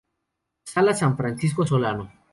Sala San Francisco Solano.